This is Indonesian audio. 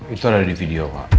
itu ada di video pak